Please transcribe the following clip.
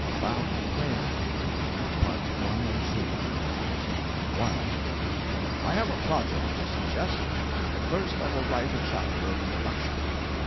ABOUT PLAY ACTING I I have a project to suggest. But first I will write a chapter of introduction.